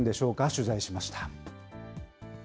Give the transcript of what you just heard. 取材しました。